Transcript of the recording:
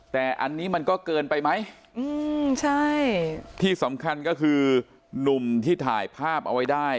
แต่อันนี้มันก็เกินไปไหมอืมใช่ที่สำคัญก็คือหนุ่มที่ถ่ายภาพเอาไว้ได้